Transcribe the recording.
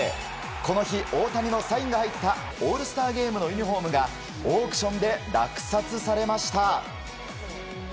この日、大谷のサインが入ったオールスターゲームのユニホームがオークションで落札されました。